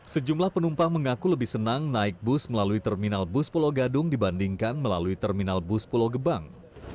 sejumlah penumpang mengaku lebih senang naik bus melalui terminal bus pulau gadung dibandingkan melalui terminal bus pulau gebang